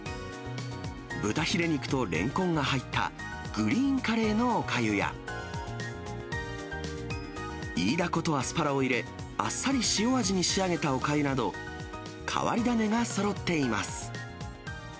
豚ひれ肉とレンコンが入ったグリーンカレーのおかゆや、イイダコとアスパラを入れ、あっさり塩味に仕上げたおかゆなど、変わり種がそろっています。